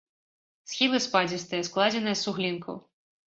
Схілы спадзістыя, складзеныя з суглінкаў.